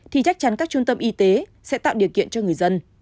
thì chắc chắn các trung tâm y tế sẽ tạo điều kiện cho người dân